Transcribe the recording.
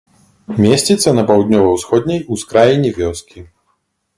Месціцца на паўднёва-усходняй ускраіне вёскі.